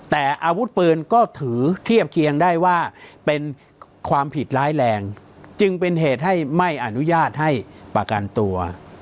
แต่อาวุธปืนก็ถือเทียบเคียงได้ว่าเป็นความผิดร้ายแรงจึงเป็นเหตุให้ไม่อนุญาตให้ประกันตัว